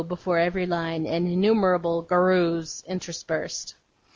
before every line, and innumerable Goroos interspersed.